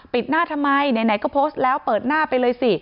หน้าทำไมไหนก็โพสต์แล้วเปิดหน้าไปเลยสิ